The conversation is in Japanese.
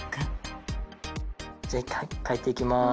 じゃあ描いていきます。